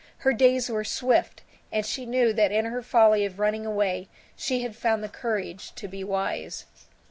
Her days were swift, and she knew that in her folly of running away she had found the courage to be wise.